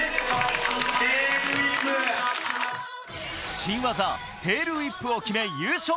新技、テールウィップを決め、優勝。